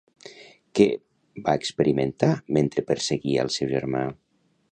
Què va experimentar mentre perseguia el seu germà?